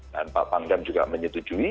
dan pak pangdam juga menyetujui